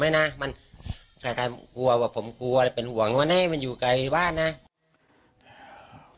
นะมันใครกลัวว่าผมกลัวเป็นห่วงว่านี่มันอยู่ไกลบ้านนะ